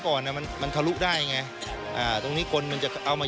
ก่อนอ่ะมันมันทะลุได้ไงอ่าตรงนี้กลมันจะเอามา